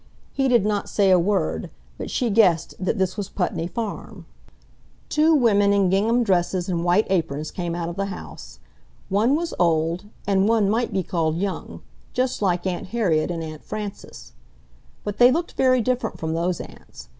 He did not say a word, but she guessed that this was Putney Farm. Two women in gingham dresses and white aprons came out of the house. One was old and one might be called young, just like Aunt Harriet and Aunt Frances. But they looked very different from those aunts.